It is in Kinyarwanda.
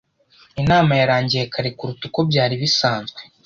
Inama yarangiye kare kuruta uko byari bisanzwe.